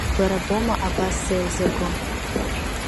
Бара боума абас сеилзырго…